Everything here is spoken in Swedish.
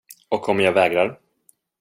Och om jag vägrar?